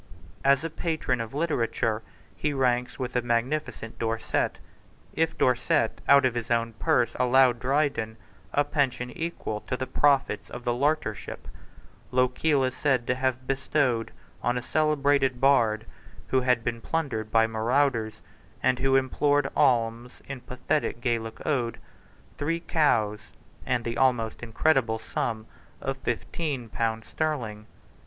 As a patron of literature he ranks with the magnificent Dorset. If Dorset out of his own purse allowed Dryden a pension equal to the profits of the Laureateship, Lochiel is said to have bestowed on a celebrated bard, who had been plundered by marauders, and who implored alms in a pathetic Gaelic ode, three cows and the almost incredible sum of fifteen pounds sterling.